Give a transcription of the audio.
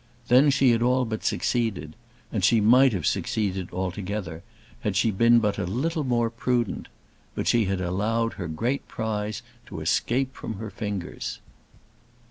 Then she had all but succeeded, and she might have succeeded altogether had she been but a little more prudent. But she had allowed her great prize to escape from her fingers.